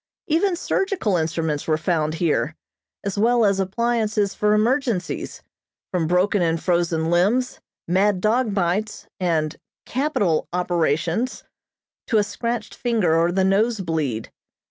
Even surgical instruments were found here, as well as appliances for emergencies, from broken and frozen limbs, mad dog bites, and "capital operations," to a scratched finger or the nose bleed.